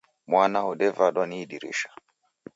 Mwana wodevadwa ni idirisha